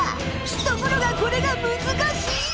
ところがこれがむずかしい！